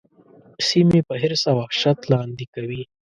سیمې په حرص او وحشت لاندي کوي.